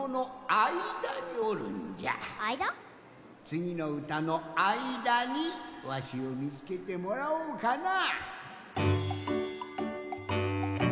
つぎのうたのあいだにわしをみつけてもらおうかな！